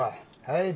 はい。